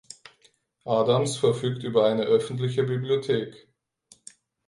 Adams verfügt über eine öffentliche Bibliothek.